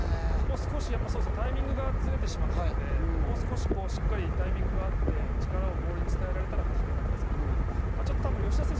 少しタイミングがずれてしまったので、もう少し力をボールに伝えられたら、はじけたんですけど。